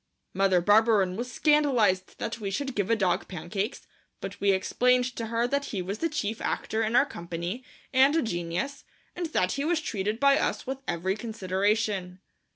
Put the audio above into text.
Mother Barberin was scandalized that we should give a dog pancakes, but we explained to her that he was the chief actor in our company and a genius, and that he was treated by us with every consideration.